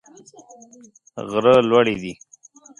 غره لوړي دي.